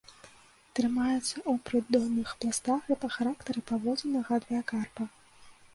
Трымаецца ў прыдонных пластах і па характары паводзін нагадвае карпа.